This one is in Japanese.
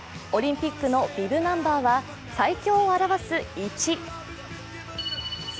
オリンピックのビブナンバーは最強を表す「１」。